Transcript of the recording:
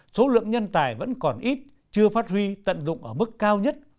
số lượng nhân tài vẫn còn ít chưa phát huy tận dụng ở mức cao nhất